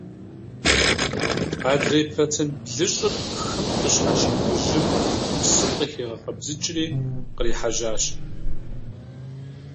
Адрей процент блыщӏыр хым къыщхьэщих жьым псым къыхигъэкъэбзыкӀри, кърихьэжьащ.